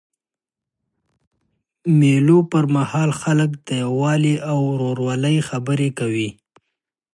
د مېلو پر مهال خلک د یووالي او ورورولۍ خبري کوي.